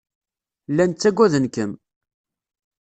Llan ttagaden-kem.